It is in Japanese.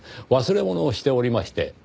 忘れ物をしておりまして。